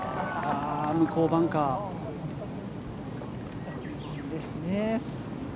向こう、バンカー。ですね。